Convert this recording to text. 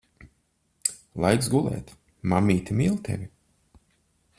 Laiks gulēt. Mammīte mīl tevi.